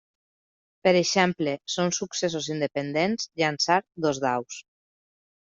Per exemple són successos independents llançar dos daus.